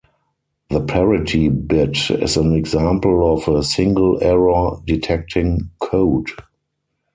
The parity bit is an example of a single-error-detecting code.